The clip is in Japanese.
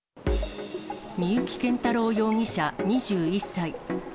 三幸謙太郎容疑者２１歳。